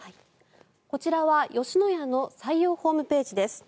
こちらは吉野家の採用ホームページです。